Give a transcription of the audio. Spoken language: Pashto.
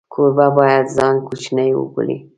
کوربه باید ځان کوچنی وبولي.